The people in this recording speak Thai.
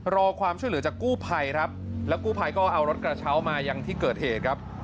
รอความช่วยเหลือจากกู้ภัยครับแล้วกู้ภัยก็เอารถกระเช้ามายังที่เกิดเหตุครับ